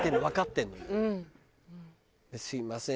「すみません」